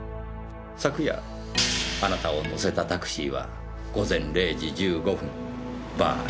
昨夜あなたを乗せたタクシーは午前０時１５分バー「優」の前を出発しました。